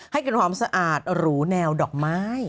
ให้กลิ่นหอมสะอาดหรูแนวดอกไม้